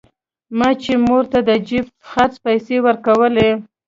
ما چې مور ته د جيب خرڅ پيسې ورکولې.